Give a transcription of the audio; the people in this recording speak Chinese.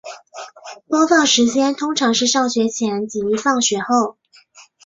播放时间通常是上学前及放学后。